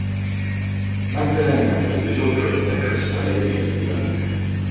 Magdalena was the daughter of Petrus Phalesius the Younger.